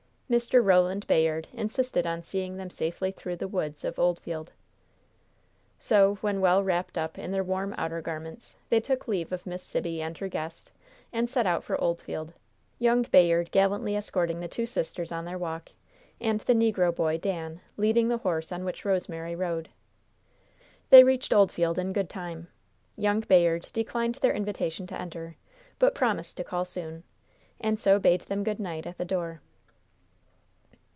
Mr. Roland Bayard insisted on seeing them safely through the woods of Oldfield. So, when well wrapped up in their warm outer garments, they took leave of Miss Sibby and her guest, and set out for Oldfield, young Bayard gallantly escorting the two sisters on their walk, and the negro boy, Dan, leading the horse on which Rosemary rode. They reached Oldfield in good time. Young Bayard declined their invitation to enter, but promised to call soon, and so bade them good night at the door.